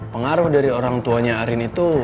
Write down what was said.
pengaruh dari orang tuanya arin itu